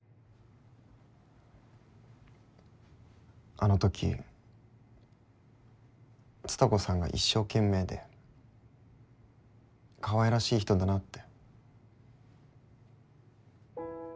あのとき蔦子さんが一生懸命でかわいらしい人だなって。